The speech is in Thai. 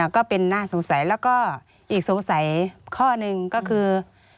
ก็เป็นน่าสงสัยแล้วก็อีกสงสัยข้อหนึ่งก็คือ